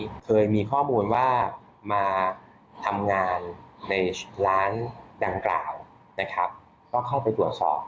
เคยมีข้อมูลว่ามาทำงานในร้านดังกล่าวนะครับก็เข้าไปตรวจสอบ